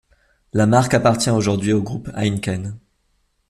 La marque appartient aujourd’hui au groupe Heineken.